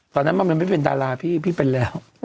ตอนนั้นมันไม่เป็นดาราพี่พี่เป็นแล้ว